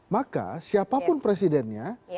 maka siapapun presidennya